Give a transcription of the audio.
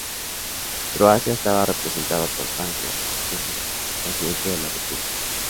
Croacia estaba representado por Franjo Tuđman, presidente de la república.